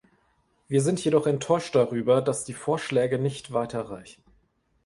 Wir sind jedoch enttäuscht darüber, dass die Vorschläge nicht weiter reichen.